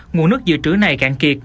nguồn nước dự trữ này cạn kiệt